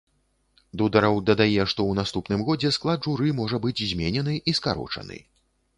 Дудараў дадае, што ў наступным годзе склад журы можа быць зменены і скарочаны.